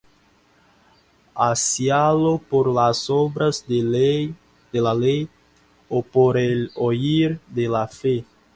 ¿hacíalo por las obras de la ley, ó por el oir de la fe?